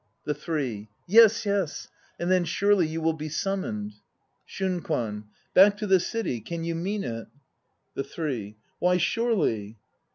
THE THREE. Yes, yes. And then surely you will be summoned. ... SHUNKWAN. Back to the City? Can you mean it? THE THREE. Why, surely!